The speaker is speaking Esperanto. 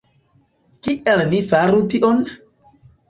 Kiel ni faru tion?